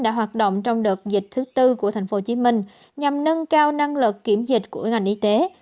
đã hoạt động trong đợt dịch thứ tư của tp hcm nhằm nâng cao năng lực kiểm dịch của ngành y tế